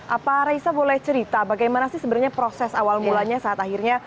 apa raisa boleh cerita bagaimana sih sebenarnya proses awal mulanya saat akhirnya